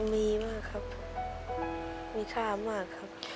มีมากครับมีค่ามากครับ